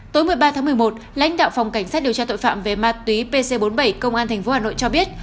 tối một mươi ba tháng một mươi một lãnh đạo phòng cảnh sát điều tra tội phạm về ma túy pc bốn mươi bảy công an tp hà nội cho biết